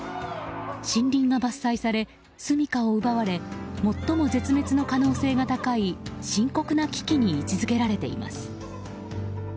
森林が伐採され、すみかを奪われ最も絶滅の可能性が高い深刻な危機に位置づけられています。